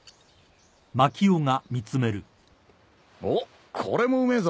おっこれもうめえぞ。